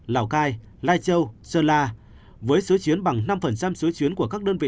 lào cai lai châu sơn la với số chuyến bằng năm số chuyến của các đơn vị